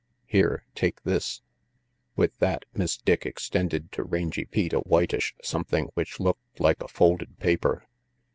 Here, take this." With that, Miss Dick extended to Rangy Pete a whitish something which looked like a folded paper.